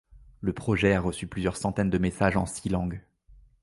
Le projet a reçu plusieurs centaines de messages en six langues.